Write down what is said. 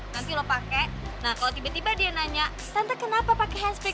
nanti lo pake nah kalo tiba tiba dia nanya tante kenapa pake handsfree